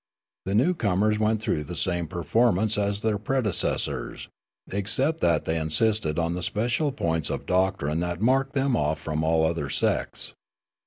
The newcomers went throngh the same perform ance as their predecessors, except that they insisted on the special points of doctrine that marked them off from all other .sects.